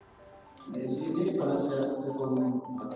di sini pada saat ekonomi